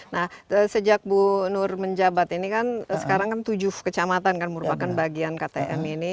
nah sejak bu nur menjabat ini kan sekarang kan tujuh kecamatan kan merupakan bagian ktm ini